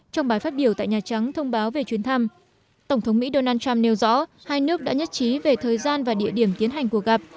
trong bài phát biểu tại nhà trắng thông báo về chuyến thăm tổng thống mỹ donald trump nêu rõ hai nước đã nhất trí về thời gian và địa điểm tiến hành cuộc gặp